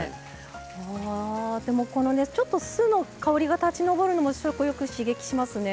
ちょっと酢の香りが立ち上るのも食欲刺激しますね。